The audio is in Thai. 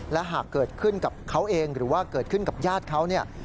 และหากเกิดขึ้นกับเขาเองหรือว่าเกิดขึ้นกับญาติเขาเนี่ย